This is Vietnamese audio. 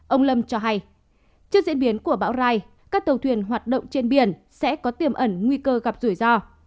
ông lâm cho hay trước diễn biến của bão rai các tàu thuyền hoạt động trên biển sẽ có tiềm ẩn nguy cơ gặp rủi ro